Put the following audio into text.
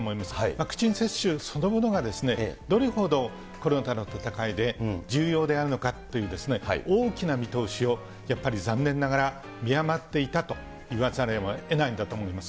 ワクチン接種そのものがどれほどコロナの闘いで重要であるのかというですね、大きな見通しを、やっぱり残念ながら、見誤っていたと言わざるをえないんだと思います。